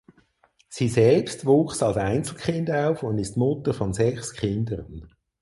Sie selbst wuchs als Einzelkind auf und ist Mutter von sechs Kindern.